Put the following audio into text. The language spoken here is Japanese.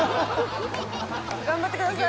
頑張ってください。